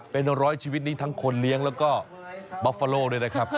เป็นร้อยชีวิตนี้ทั้งคนเลี้ยงแล้วก็บอฟฟาโลด้วยนะครับ